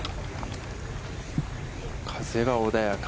風は穏やか。